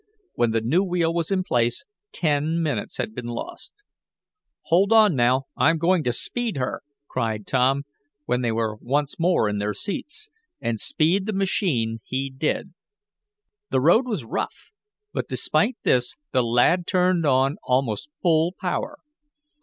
When the new wheel was in place ten minutes had been lost. "Hold on now, I'm going to speed her!" cried Tom, when they were once more in their seats, and speed the machine he did. The road was rough, but despite this the lad turned on almost full power.